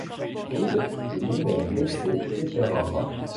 Hood est lui-même blessé et perd un bras.